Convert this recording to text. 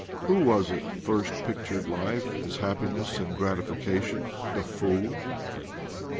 Who was it first pictured life as happiness and gratification? The fool